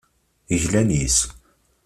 Glan yes-s.